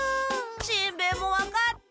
しんべヱも分かって！